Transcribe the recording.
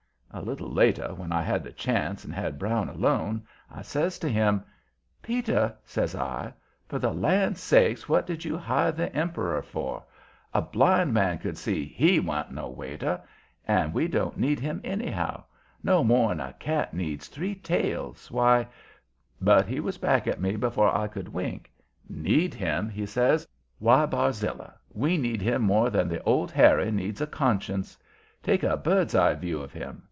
A little later, when I had the chance and had Brown alone, I says to him: "Peter," says I, "for the land sakes what did you hire the emperor for? A blind man could see HE wa'n't no waiter. And we don't need him anyhow; no more'n a cat needs three tails. Why " But he was back at me before I could wink. "Need him?" he says. "Why, Barzilla, we need him more than the old Harry needs a conscience. Take a bird's eye view of him!